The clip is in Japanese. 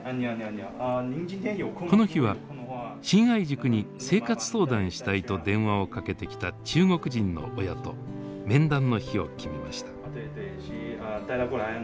この日は信愛塾に生活相談したいと電話をかけてきた中国人の親と面談の日を決めました。